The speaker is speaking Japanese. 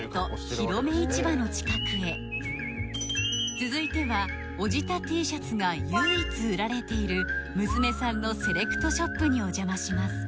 ひろめ市場の近くへ続いてはおじたＴシャツが唯一売られている娘さんのセレクトショップにお邪魔します